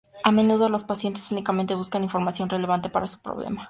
A menudo los pacientes únicamente buscan información relevante para su problema.